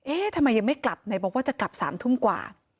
ทำไมยังไม่กลับไหนบอกว่าจะกลับ๓ทุ่มกว่า